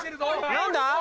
何だ？